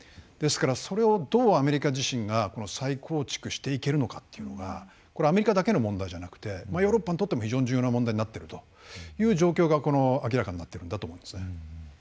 ですからそれをどうアメリカ自身が再構築していけるのかというのがアメリカだけの問題じゃなくてヨーロッパにとっても非常に重要な問題になっているという状況が明らかになっているんだと思いますね。